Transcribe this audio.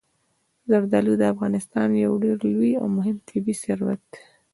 زردالو د افغانستان یو ډېر لوی او مهم طبعي ثروت دی.